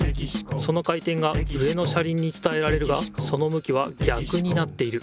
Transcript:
その回てんが上の車りんにつたえられるがそのむきはぎゃくになっている。